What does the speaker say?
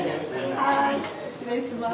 はい失礼します。